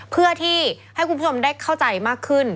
เพื่อที่ให้คุณผู้ชมได้เข้าใจมากขึ้น